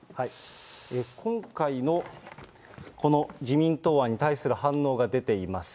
今回のこの自民党案に対する反応が出ています。